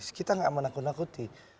sekitar gak emang nakut nakuti